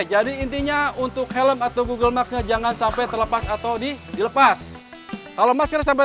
jadi intinya untuk helm atau google max nya jangan sampai terlepas atau dilepas kalau masker sampai